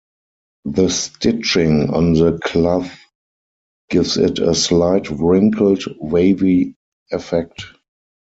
The stitching on the cloth gives it a slight wrinkled, wavy effect.